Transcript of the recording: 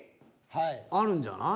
あるんじゃない？